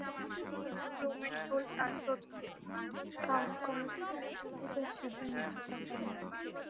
তিনি সেলজুক রুমের সুলতান প্রথম কায়কাউসের সাথে মিত্রতা করেন।